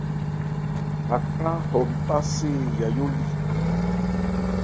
Aká hɔ npá se Yayó li.